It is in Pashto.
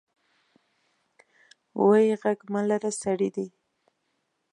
وې غږ مه لره سړي دي.